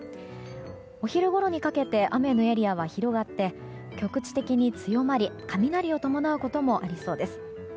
お昼ごろにかけて雨のエリアは広がって局地的に強まり雷を伴うこともありそうです。